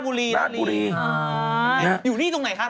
มึงอาจจะเดินไปคราว